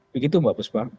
begitu mbak puspa